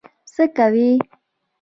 څه کوي.